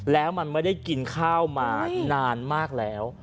แล้วมันไม่ได้กินข้าวมานานมากแล้ว